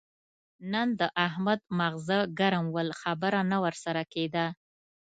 نن د احمد ماغزه ګرم ول؛ خبره نه ور سره کېده.